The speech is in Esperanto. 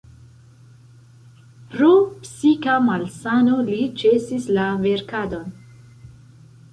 Pro psika malsano li ĉesis la verkadon.